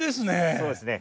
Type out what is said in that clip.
そうですね。